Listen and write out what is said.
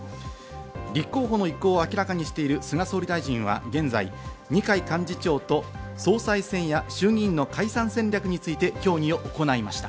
立候補の意向を明らかにしてる菅総理大臣は現在、二階幹事長と総裁選や衆議院の解散戦略について協議を行いました。